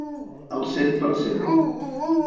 Al cent per cent.